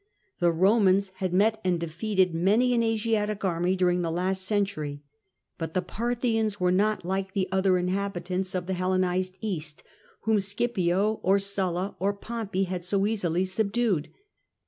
The Romans had met and defeated many an Asiatic army during the last century, but the Parthians were not like the other inhabitants of the Helienized East, whom Scipio or Sulla or Pompey had so easily subdued.